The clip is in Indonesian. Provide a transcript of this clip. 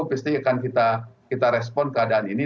pasti akan kita respon keadaan ini